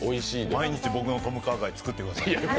毎日、僕のトムカーガイ、作ってください。